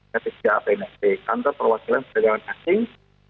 kt tiga a pnst kantor perwakilan perdagangan asing